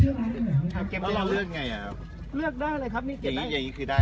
ไงครับเลือกได้เลยครับนี่เก็บได้